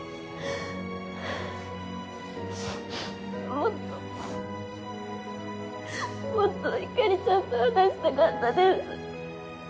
もっともっとひかりちゃんと話したかったです。